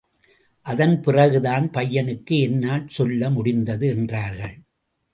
அதன் பிறகுதான் பையனுக்கு என்னால் சொல்ல முடிந்தது என்றார்கள்.